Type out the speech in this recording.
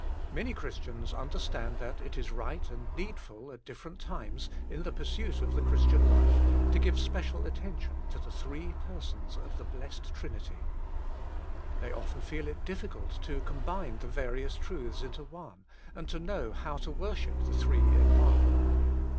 Many Christians understand that it is right and needful at different times in the pursuit of the Christian life, to give special at tention to the three Persons of the Blessed Trinity. They often feel it diflBcult to combine the various truths into one, and to know how to worship the Three in One.